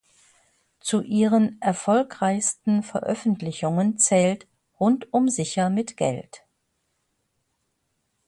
Zu ihren erfolgreichsten Veröffentlichungen zählt "Rundum sicher mit Geld".